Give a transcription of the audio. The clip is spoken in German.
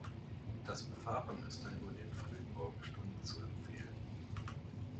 Das Befahren ist dann nur in den frühen Morgenstunden zu empfehlen.